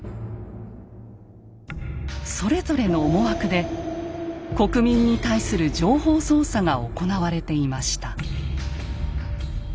それぞれの思惑で国民に対する情報操作が行われていました。